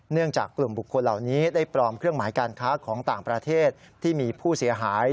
จากกลุ่มบุคคลเหล่านี้ได้ปลอมเครื่องหมายการค้าของต่างประเทศที่มีผู้เสียหาย